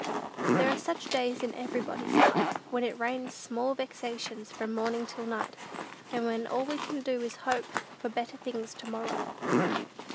There are such days in everybody's life, when it rains small vexations from morning till night, and when all we can do is to hope for better things to morrow.